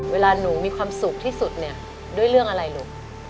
เวลาหนูมีความสุขที่สุดเนี่ยด้วยเรื่องอะไรลูก